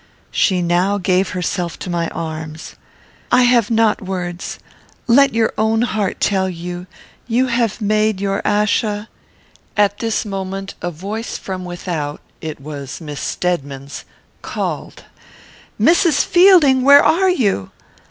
She now gave herself to my arms: "I have not words Let your own heart tell you, you have made your Achsa " At this moment, a voice from without (it was Miss Stedman's) called, "Mrs. Fielding! where are you?"